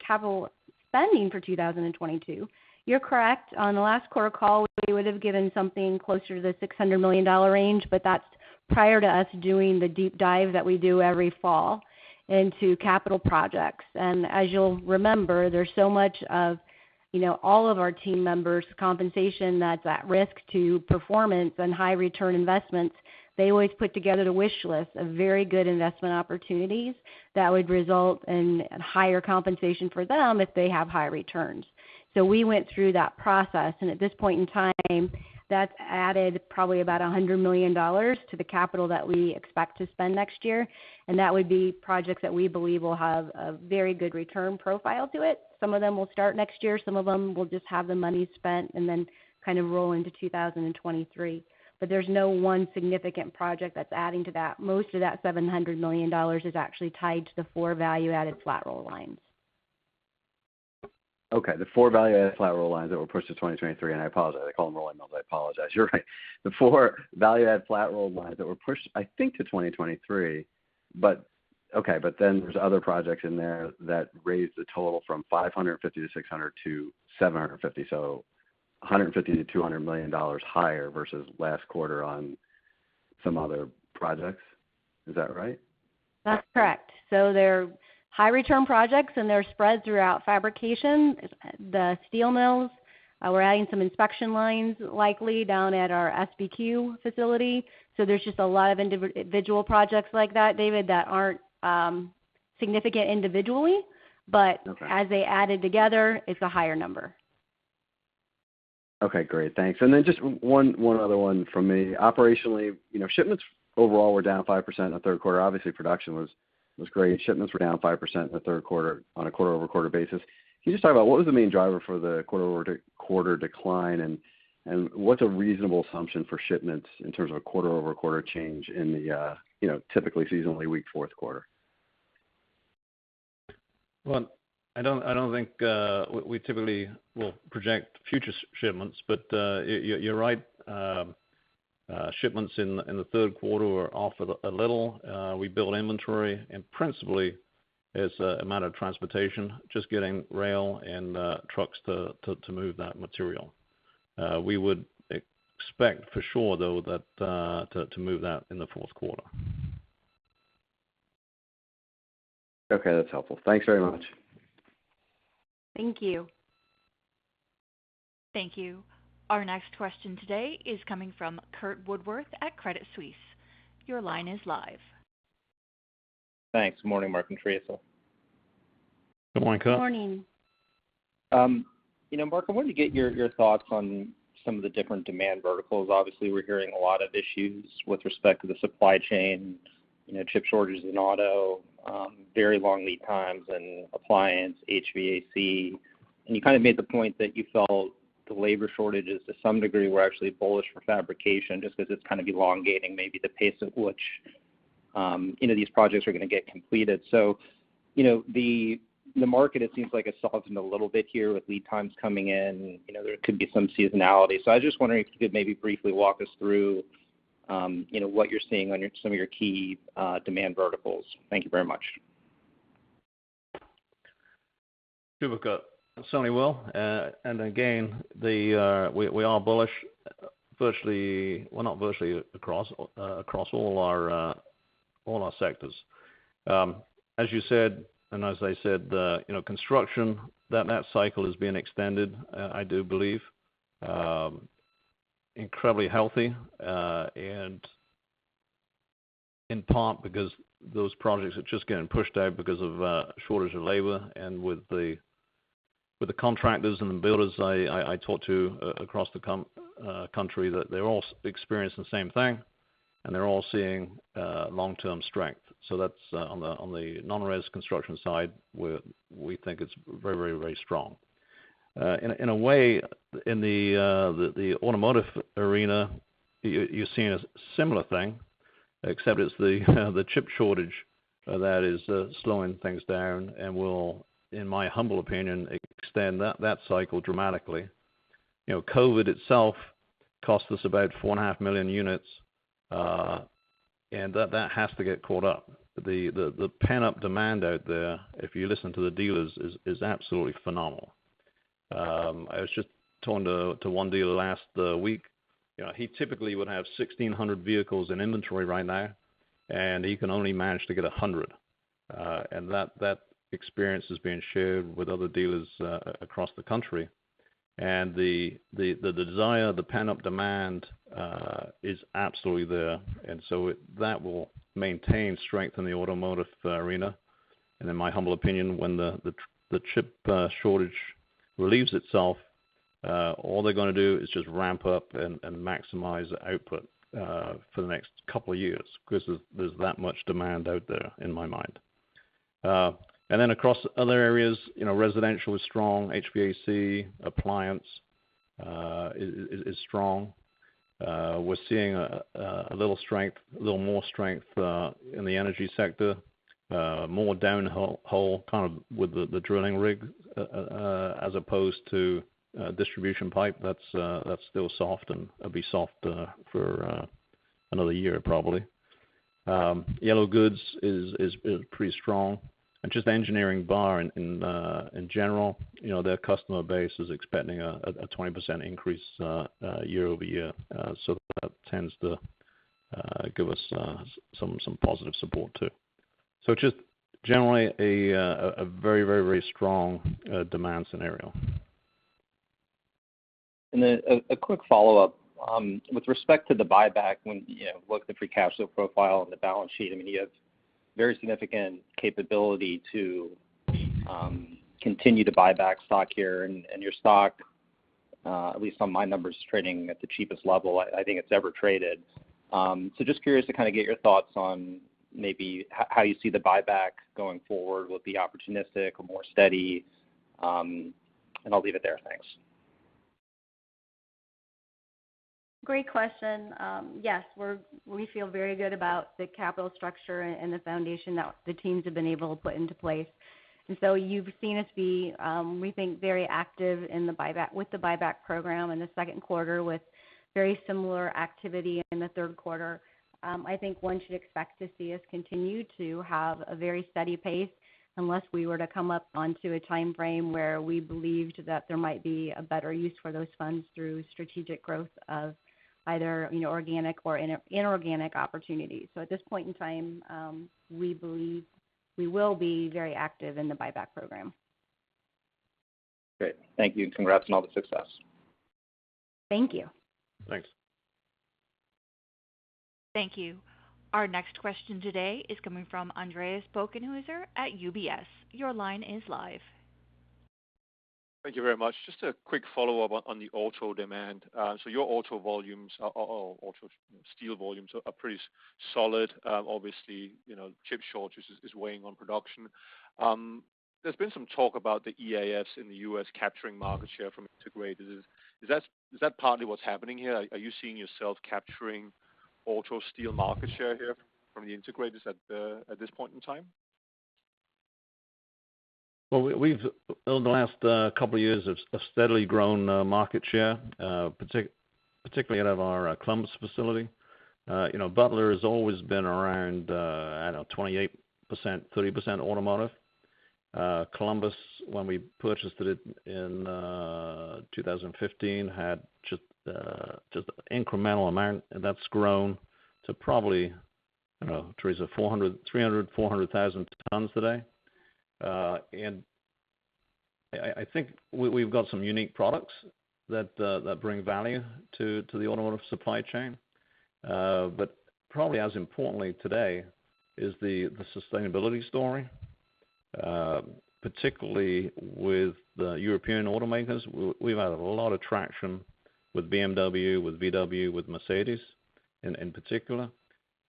capital spending for 2022, you're correct. On the last quarter call, we would've given something closer to the $600 million range, but that's prior to us doing the deep dive that we do every fall into capital projects. As you'll remember, there's so much of all of our team members' compensation that's at risk to performance and high-return investments. They always put together the wish list of very good investment opportunities that would result in higher compensation for them if they have higher returns. We went through that process, and at this point in time, that's added probably about $100 million to the capital that we expect to spend next year. That would be projects that we believe will have a very good return profile to it. Some of them will start next year. Some of them will just have the money spent and then kind of roll into 2023. There's no one significant project that's adding to that. Most of that $700 million is actually tied to the four value-added flat roll lines. Okay. The four value-added flat roll lines that were pushed to 2023. I apologize. I call them rolling mills. I apologize. You're right. The four value-added flat roll lines that were pushed, I think, to 2023. Okay, there's other projects in there that raise the total from 550-600-750, so $150 million-$200 million higher versus last quarter on some other projects. Is that right? That's correct. They're high-return projects, and they're spread throughout fabrication. The steel mills, we're adding some inspection lines likely down at our SBQ facility. There's just a lot of individual projects like that, David, that aren't significant individually. Okay. As they added together, it's a higher number. Okay, great. Thanks. Then just one other one from me. Operationally, shipments overall were down 5% in the third quarter. Obviously, production was great. Shipments were down 5% in the third quarter on a quarter-over-quarter basis. Can you just talk about what was the main driver for the quarter-over-quarter decline and what's a reasonable assumption for shipments in terms of a quarter-over-quarter change in the typically seasonally weak fourth quarter? Well, I don't think we typically will project future shipments, but you're right. Shipments in the third quarter were off a little. We built inventory, and principally it's a matter of transportation, just getting rail and trucks to move that material. We would expect for sure, though, to move that in the fourth quarter. Okay, that's helpful. Thanks very much. Thank you. Thank you. Our next question today is coming from Curt Woodworth at Credit Suisse. Your line is live. Thanks. Morning, Mark and Theresa. Good morning, Curt. Morning. Mark, I wanted to get your thoughts on some of the different demand verticals. Obviously, we're hearing a lot of issues with respect to the supply chain, chip shortages in auto, very long lead times in appliance, HVAC. You kind of made the point that you felt the labor shortages, to some degree, were actually bullish for fabrication just because it's kind of elongating maybe the pace at which these projects are going to get completed. The market, it seems like it's softened a little bit here with lead times coming in, there could be some seasonality. I was just wondering if you could maybe briefly walk us through what you're seeing on some of your key demand verticals. Thank you very much. Sure, Curt. Certainly will. Again, we are bullish virtually, well, not virtually, across all our sectors. As you said, and as I said, the construction, that cycle has been extended, I do believe. Incredibly healthy. In part because those projects are just getting pushed out because of a shortage of labor. With the contractors and the builders I talk to across the country, they're all experiencing the same thing, and they're all seeing long-term strength. That's on the non-res construction side, we think it's very strong. In a way, in the automotive arena, you're seeing a similar thing, except it's the chip shortage that is slowing things down and will, in my humble opinion, extend that cycle dramatically. COVID itself cost us about 4.5 million units. That has to get caught up. The pent-up demand out there, if you listen to the dealers, is absolutely phenomenal. I was just talking to one dealer last week. He typically would have 1,600 vehicles in inventory right now, and he can only manage to get 100. That experience is being shared with other dealers across the country. The desire, the pent-up demand is absolutely there. That will maintain strength in the automotive arena. In my humble opinion, when the chip shortage relieves itself, all they're going to do is just ramp up and maximize output for the next couple of years because there's that much demand out there, in my mind. Across other areas, residential is strong. HVAC, appliance is strong. We're seeing a little more strength in the energy sector. More down the hole, kind of with the drilling rig, as opposed to distribution pipe. That's still soft and will be soft for another year probably. Yellow goods is pretty strong. Just engineering bar in general, their customer base is expecting a 20% increase year-over-year. That tends to give us some positive support too. Just generally a very strong demand scenario. Then a quick follow-up. With respect to the buyback, when you look at the free cash flow profile and the balance sheet, you have very significant capability to continue to buy back stock here. Your stock, at least on my numbers, is trading at the cheapest level I think it's ever traded. Just curious to kind of get your thoughts on maybe how you see the buyback going forward. Will it be opportunistic or more steady? I'll leave it there. Thanks. Great question. Yes, we feel very good about the capital structure and the foundation that the teams have been able to put into place. You've seen us be, we think, very active with the buyback program in the second quarter, with very similar activity in the third quarter. I think one should expect to see us continue to have a very steady pace unless we were to come up onto a timeframe where we believed that there might be a better use for those funds through strategic growth of either organic or inorganic opportunities. At this point in time, we believe we will be very active in the buyback program. Great. Thank you, and congrats on all the success. Thank you. Thanks. Thank you. Our next question today is coming from Andreas Bokkenheuser at UBS. Your line is live. Thank you very much. Just a quick follow-up on the auto demand. Your auto volumes or auto steel volumes are pretty solid. Obviously, chip shortage is weighing on production. There's been some talk about the EAFs in the U.S. capturing market share from integrators. Is that partly what's happening here? Are you seeing yourself capturing auto steel market share here from the integrators at this point in time? Over the last couple of years, we've steadily grown market share, particularly out of our Columbus facility. Butler has always been around, I don't know, 28%, 30% automotive. Columbus, when we purchased it in 2015, had just incremental amount, and that's grown to probably, Theresa, 300,000, 400,000 tons today. I think we've got some unique products that bring value to the automotive supply chain. Probably as importantly today is the sustainability story, particularly with the European automakers. We've had a lot of traction with BMW, with VW, with Mercedes in particular.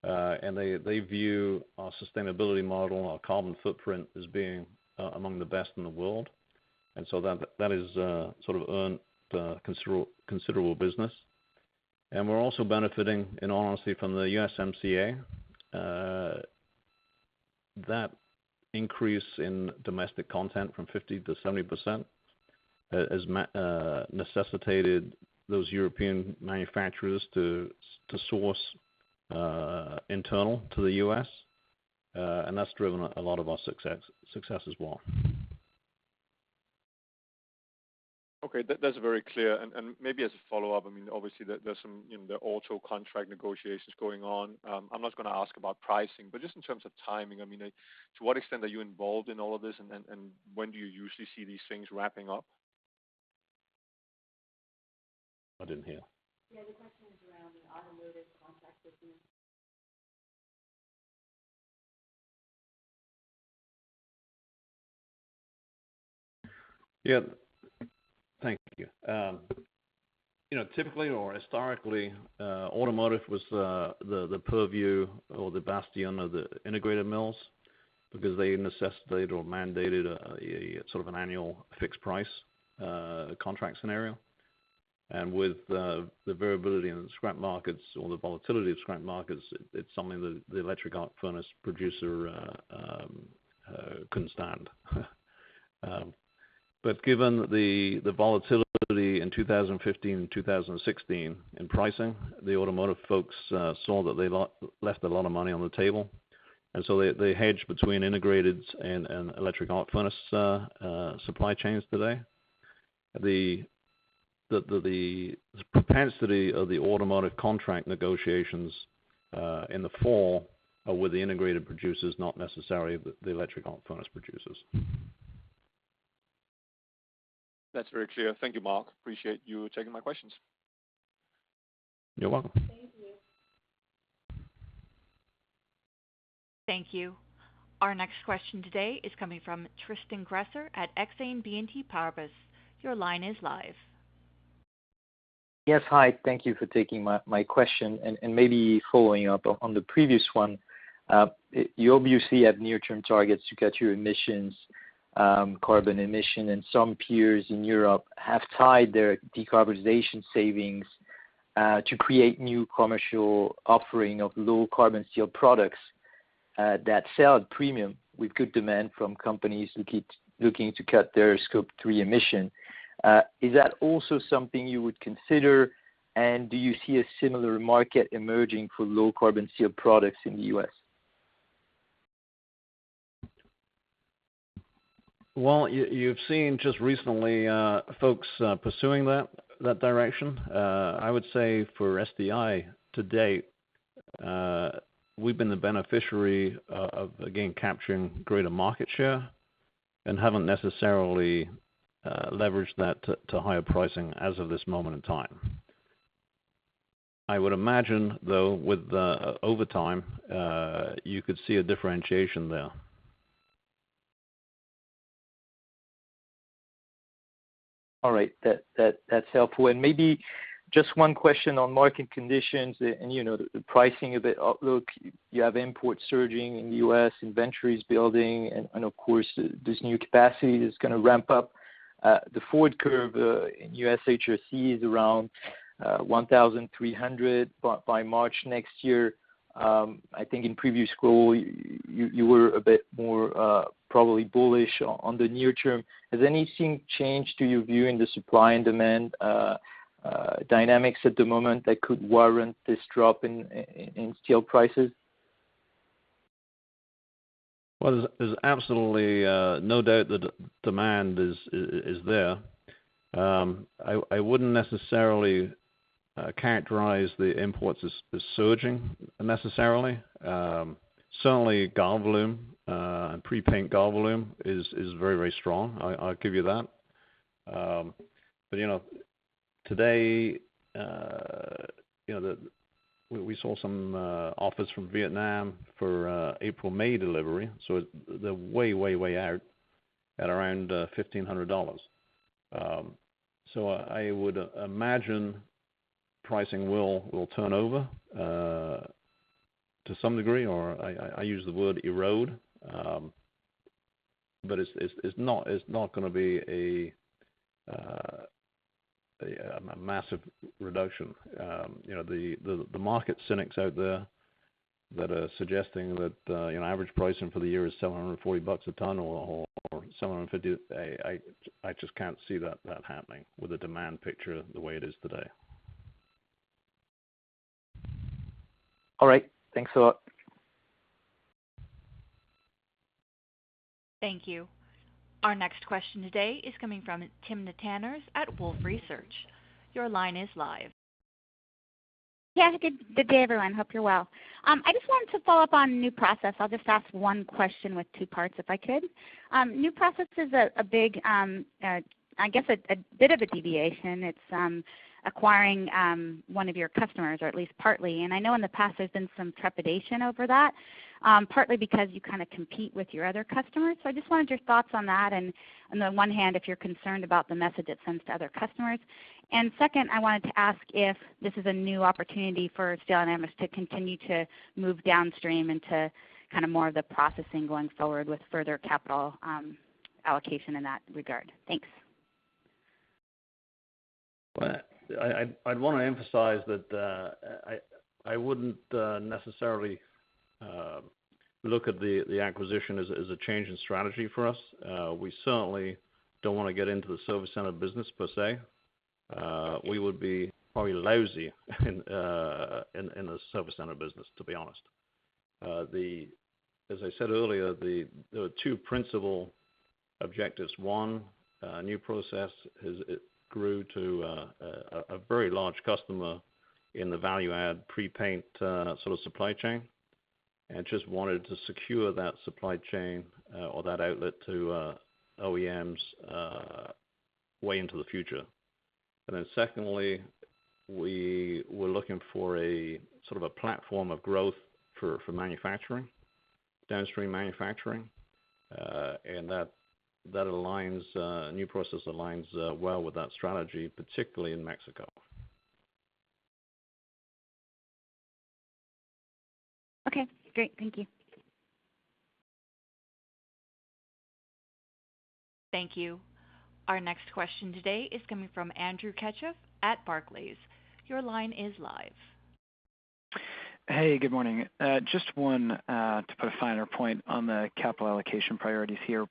They view our sustainability model and our carbon footprint as being among the best in the world. That has sort of earned considerable business. We're also benefiting, in all honesty, from the USMCA. That increase in domestic content from 50%-70% has necessitated those European manufacturers to source internal to the U.S., and that's driven a lot of our successes as well. Okay, that's very clear. Maybe as a follow-up, obviously there's some auto contract negotiations going on. I'm not going to ask about pricing, but just in terms of timing, to what extent are you involved in all of this, and when do you usually see these things wrapping up? Not in here. Yeah, the question is around the automotive contract with you. Yeah. Thank you. Typically or historically, automotive was the purview or the bastion of the integrated mills because they necessitated or mandated a sort of an annual fixed price contract scenario. With the variability in the scrap markets or the volatility of scrap markets, it's something that the electric arc furnace producer couldn't stand. Given the volatility in 2015 and 2016 in pricing, the automotive folks saw that they left a lot of money on the table. They hedge between integrated and electric arc furnace supply chains today. The propensity of the automotive contract negotiations in the fall are with the integrated producers not necessary, the electric arc furnace producers. That's very clear. Thank you, Mark. Appreciate you taking my questions. You're welcome. Thank you. Our next question today is coming from Tristan Gresser at Exane BNP Paribas. Your line is live. Yes, hi. Thank you for taking my question, maybe following up on the previous one. You obviously have near-term targets to cut your emissions, carbon emission, some peers in Europe have tied their decarbonization savings to create new commercial offering of low carbon steel products that sell at premium with good demand from companies looking to cut their scope 3 emission. Is that also something you would consider, do you see a similar market emerging for low carbon steel products in the U.S.? Well, you've seen just recently folks pursuing that direction. I would say for SDI to date, we've been the beneficiary of, again, capturing greater market share and haven't necessarily leveraged that to higher pricing as of this moment in time. I would imagine, though, over time, you could see a differentiation there. All right. That's helpful. Maybe just one question on market conditions and the pricing of it outlook. You have imports surging in the U.S., inventories building, and of course, this new capacity is going to ramp up. The forward curve in U.S. HRC is around $1,300 by March next year. I think in previous call, you were a bit more probably bullish on the near term. Has anything changed to your view in the supply and demand dynamics at the moment that could warrant this drop in steel prices? Well, there's absolutely no doubt that demand is there. I wouldn't necessarily characterize the imports as surging necessarily. Certainly, Galvalume volume and pre-paint Galvalume volume is very strong. I'll give you that. Today, we saw some offers from Vietnam for April, May delivery, so they're way out at around $1,500. I would imagine pricing will turn over to some degree, or I use the word erode. It's not going to be a massive reduction. The market cynics out there that are suggesting that average pricing for the year is $740 a ton or $750, I just can't see that happening with the demand picture the way it is today. All right. Thanks a lot. Thank you. Our next question today is coming from Timna Tanners at Wolfe Research. Your line is live. Yeah. Good day everyone. Hope you're well. I just wanted to follow up on New Process. I'll just ask one question with two parts if I could. New Process is, I guess, a bit of a deviation. It's acquiring one of your customers, or at least partly. I know in the past there's been some trepidation over that, partly because you kind of compete with your other customers. I just wanted your thoughts on that. On the one hand, if you're concerned about the message it sends to other customers. Second, I wanted to ask if this is a new opportunity for Steel Dynamics to continue to move downstream into more of the processing going forward with further capital allocation in that regard. Thanks. Well, I'd want to emphasize that I wouldn't necessarily look at the acquisition as a change in strategy for us. We certainly don't want to get into the service center business per se. We would be probably lousy in the service center business, to be honest. As I said earlier, there were two principal objectives. One, New Process grew to a very large customer in the value-add pre-paint sort of supply chain, and just wanted to secure that supply chain or that outlet to OEMs way into the future. Secondly, we were looking for a sort of a platform of growth for downstream manufacturing. New Process aligns well with that strategy, particularly in Mexico. Okay, great. Thank you. Thank you. Our next question today is coming from Andrew Jones at Barclays. Your line is live. Hey, good morning. Just one to put a finer point on the capital allocation priorities here.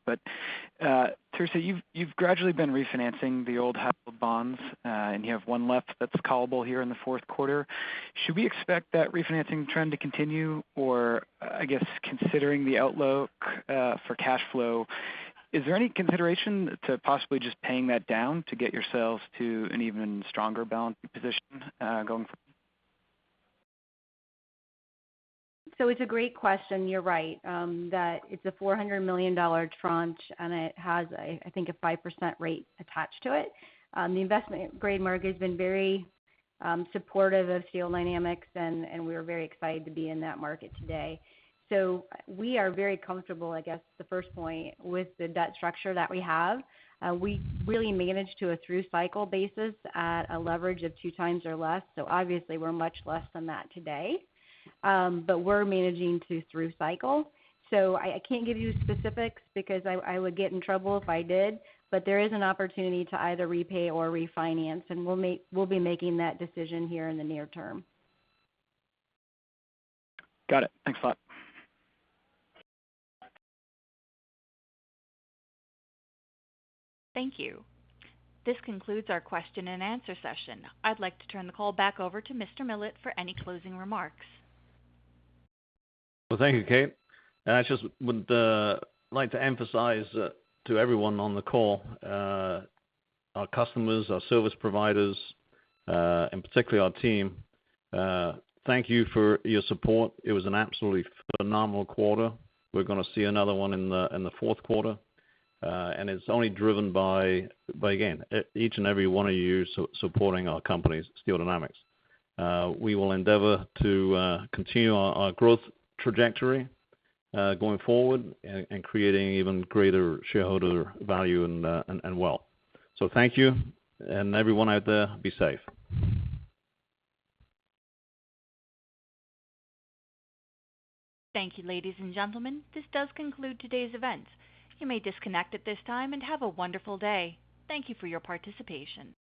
Theresa, you've gradually been refinancing the old 1/2 bonds, and you have one left that's callable here in the fourth quarter. Should we expect that refinancing trend to continue? I guess, considering the outlook for cash flow, is there any consideration to possibly just paying that down to get yourselves to an even stronger balance position going forward? It's a great question. You're right, that it's a $400 million tranche, and it has, I think, a 5% rate attached to it. The investment grade market has been very supportive of Steel Dynamics, and we are very excited to be in that market today. We are very comfortable, I guess the first point, with the debt structure that we have. We really manage to a through cycle basis at a leverage of 2x or less. Obviously we're much less than that today. We're managing to through cycle. I can't give you specifics because I would get in trouble if I did. There is an opportunity to either repay or refinance, and we'll be making that decision here in the near term. Got it. Thanks a lot. Thank you. This concludes our question and answer session. I'd like to turn the call back over to Mr. Millett for any closing remarks. Well, thank you, Kate. I just would like to emphasize to everyone on the call, our customers, our service providers, and particularly our team, thank you for your support. It was an absolutely phenomenal quarter. We're going to see another one in the fourth quarter. It's only driven by, again, each and every one of you supporting our company, Steel Dynamics. We will endeavor to continue our growth trajectory going forward and creating even greater shareholder value and wealth. Thank you, and everyone out there, be safe. Thank you, ladies and gentlemen. This does conclude today's event. You may disconnect at this time, and have a wonderful day. Thank you for your participation.